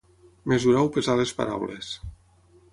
Mesurar o pesar les paraules.